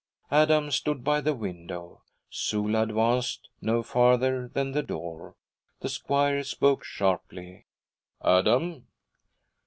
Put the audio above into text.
Adam stood by the window; Sula advanced no farther than the door. The squire spoke sharply. 'Adam!'